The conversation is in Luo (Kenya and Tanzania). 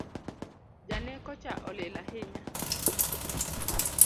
Janeko cha olil ahinya